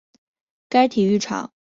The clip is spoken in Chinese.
该体育场归恩波利市政府所有。